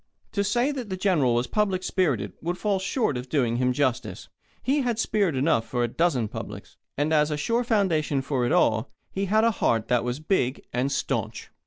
To say that the General was public spirited would fall short of doing him justice. He had spirit enough for a dozen publics. And as a sure foundation for it all, he had a heart that was big and stanch.